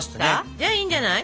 じゃあいいんじゃない？